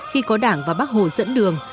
khi có đảng và bác hồ dẫn đường